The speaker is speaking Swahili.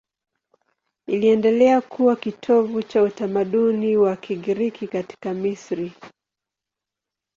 Iliendelea kuwa kitovu cha utamaduni wa Kigiriki katika Misri.